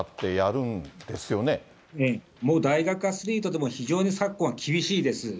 ええ、もう大学アスリートでも、非常に昨今は厳しいです。